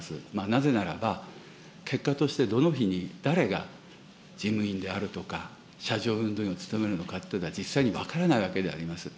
なぜならば、結果として、どの日に誰が事務員であるとか、車上運動員を務めるのかということは実際に分からないわけであります。